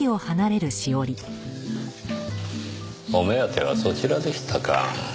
お目当てはそちらでしたか。